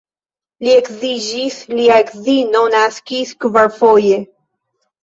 Li edziĝis, lia edzino naskis kvarfoje.